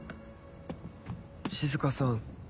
静さん。